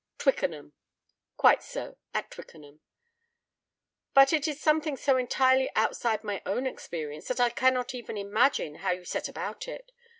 "Twickenham." "Quite so—at Twickenham. But it is something so entirely outside my own experience that I cannot even imagine how you set about it.